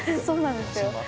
そうなんですよ。